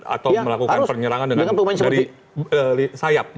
atau melakukan penyerangan dari sayap